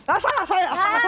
ah salah salah